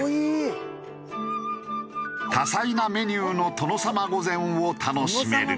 多彩なメニューの殿様御膳を楽しめる。